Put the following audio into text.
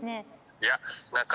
いや何か。